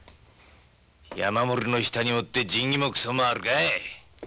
山守の下におって仁義もクソもあるかい。